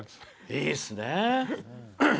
いいですね！